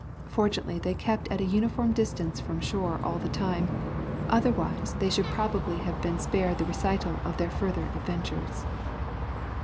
Fortunately they kept at a uniform distance from shore all the time, otherwise we should probably have been spared the recital of their further adventures.